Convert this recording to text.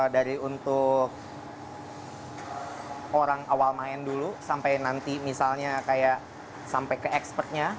dari untuk orang awal main dulu sampai nanti misalnya kayak sampai ke expertnya